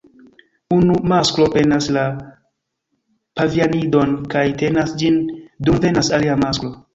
Unu masklo prenas la pavianidon kaj tenas ĝin dum venas alia masklo.